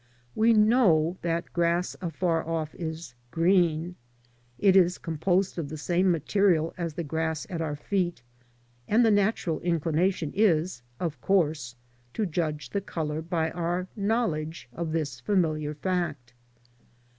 We know that grass afar off is green; it is com posed of the same material as the grass at our feet, and the natural inclination is, of course, to judge the colour by our know ledge of this familiar fact.